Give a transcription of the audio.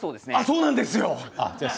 そうなんですよ。